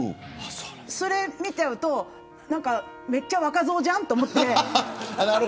それを見ちゃうとめっちゃ若造じゃんと思って。